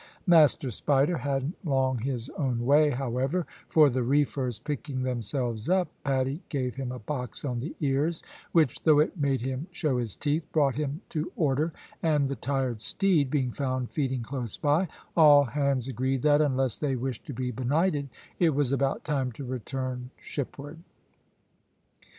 Master Spider hadn't long his own way, however, for the reefers picking themselves up, Paddy gave him a box on the ears, which though it made him show his teeth, brought him to order, and the tired steed being found feeding close by, all hands agreed that, unless they wished to be benighted, it was about time to return shipward.